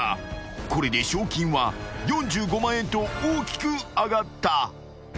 ［これで賞金は４５万円と大きく上がった］